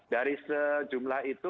dari sejumlah itu